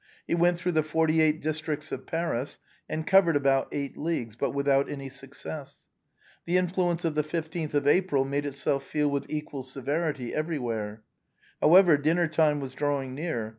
He went through the forty eight districts of Paris, and covered about eight leagues, but without any success. The influence of the 15th of April made itself felt with equal severity every where. However, dinner time was drawing near.